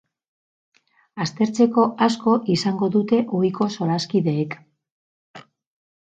Aztertzeko asko izango dute ohiko solaskideek.